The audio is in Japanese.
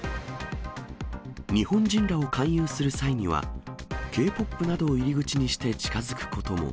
日本人らを勧誘する際には、Ｋ−ＰＯＰなどを入り口にして近づくことも。